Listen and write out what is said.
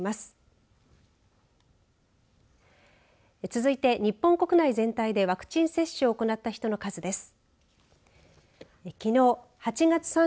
続いて日本国内全体でワクチン接種を行った人の数です。